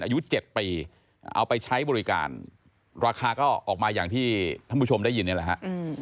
อายุ๗ปีเอาไปใช้บริการราคาก็ออกมาอย่างที่ท่านผู้ชมได้ยินนี่แหละฮะ